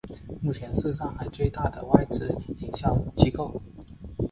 目前是上海最大的外资营销机构。